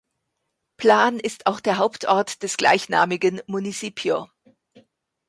Plan ist auch der Hauptort des gleichnamigen Municipio.